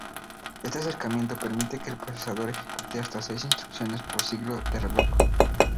Este acercamiento permite que el procesador ejecute hasta seis instrucciones por ciclo de reloj.